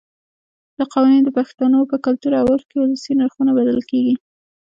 دا قوانین د پښتنو په کلتور او عرف کې ولسي نرخونه بلل کېږي.